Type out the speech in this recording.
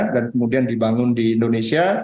dan kemudian dibangun di indonesia